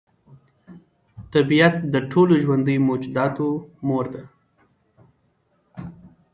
طبیعت د ټولو ژوندیو موجوداتو مور ده.